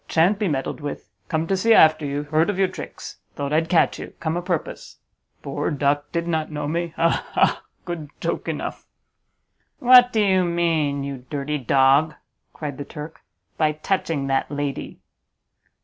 shan't be meddled with; come to see after you. Heard of your tricks; thought I'd catch you! come o' purpose. Poor duck! did not know me! ha! ha! good joke enough!" "What do you mean, you dirty dog," cried the Turk, "by touching that lady?"